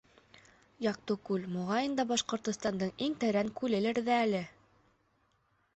Яҡтыкүл, моғайын да, Башҡортостандың иң тәрән күлелер ҙә әле.